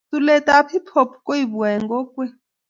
tulet ap hip hop kuipwa eng kokwet